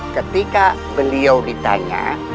ketika beliau ditanya